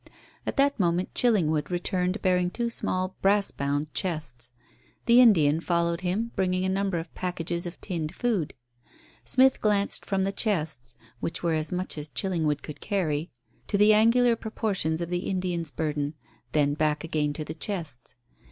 At that moment Chillingwood returned bearing two small brass bound chests. The Indian followed him bringing a number of packages of tinned food. Smith glanced from the chests which were as much as Chillingwood could carry to the angular proportions of the Indian's burden, then back again to the chests.